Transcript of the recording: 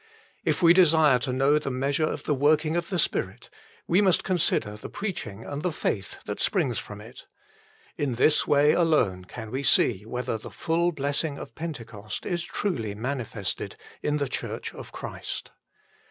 If we desire to know the measure of the working of the Spirit, we must consider the preaching and the faith that springs from it. In this way alone can we see whether the full blessing of Pentecost is truly manifested in the Church of Christ.